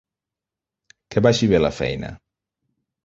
Que vagi bé la feina.